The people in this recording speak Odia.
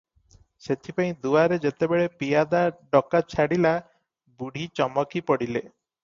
ସେଥିପାଇଁ ଦୁଆରେ ଯେତେବେଳେ ପିଆଦା ଡକା ଛାଡ଼ିଲା, ବୁଢ଼ୀ ଚମକି ପଡ଼ିଲେ ।